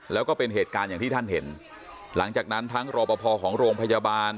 แล้วก็เป็นเหตุการณ์อย่างที่ท่านเห็นหลังจากนั้นทั้งรอปภของโรงพยาบาล